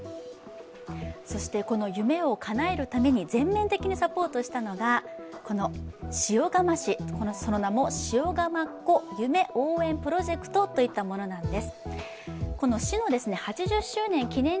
そしてこの夢をかなえるために全面的にサポートしたのがしおがまっ子夢応援プロジェクトといったものなんです。